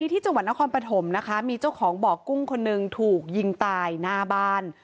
ที่จังหวัดนครปฐมนะคะมีเจ้าของบ่อกุ้งคนหนึ่งถูกยิงตายหน้าบ้าน